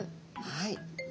はい。